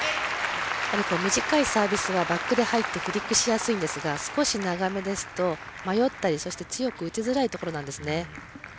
短いサービスはバックで入ってフリックしやすいんですが少し長めですと迷ったり、そして強く打ちづらいところなんですね。